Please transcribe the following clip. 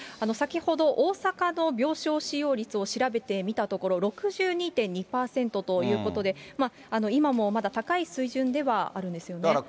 先ほど、大阪の病床使用率を調べてみたところ、６２．２％ということで、今もまだ高い水準ではあるんですよね。